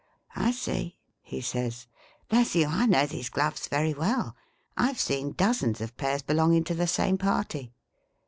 '/ see,' he says. ' Bless you, / know these gloves very well ! I 've seen dozens of pairs belonging to the same party.'